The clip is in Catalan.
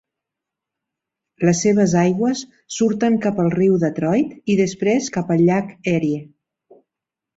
Les seves aigües surten cap al riu Detroit i després cap al Llac Erie.